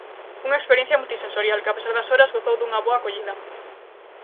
Unha experiencia multisensorial, que a pesar das horas, gozou dunha boa acollida.